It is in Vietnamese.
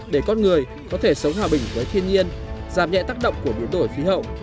để con người có thể sống hòa bình với thiên nhiên giảm nhẹ tác động của biến đổi khí hậu